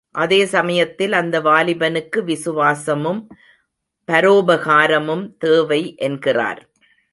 அதே சமயத்தில் அந்த வாலிபனுக்கு விசுவாசமும், பரோபகாரமும் தேவை என்கிறார்.